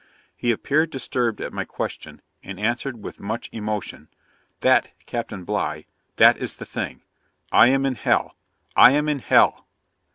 he appeared disturbed at my question, and answered with much emotion, "That, Captain Bligh, that is the thing; I am in hell, I am in hell!"